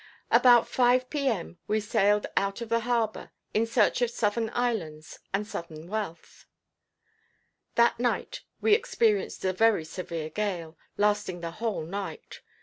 About 5 P. M., we sailed out of the harbor in search of southern islands and southern wealth. That night we experienced a very severe gale, lasting the whole night.